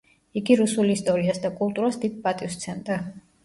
იგი რუსულ ისტორიას და კულტურას დიდ პატივის სცემდა.